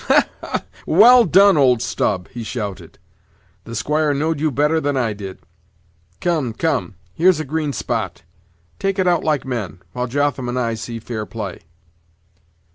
"Well done, old stub!" he shouted; "the squire knowed you better than I did. Come, come, here's a green spot; take it out like men, while Jotham and I see fair play."